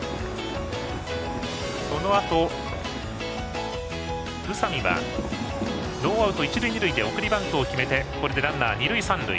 このあと宇佐見はノーアウト、一塁二塁で送りバントを決めてランナー、二塁三塁。